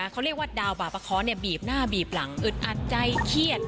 เขาเรียกว่าดาวบาปะเคาะบีบหน้าบีบหลังอึดอัดใจเครียด